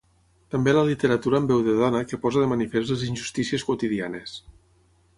També la literatura amb veu de dona que posa de manifest les injustícies quotidianes.